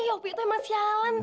opi tuh emang sialan